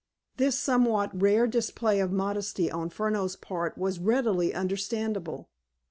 This somewhat rare display of modesty on Furneaux's part was readily understandable.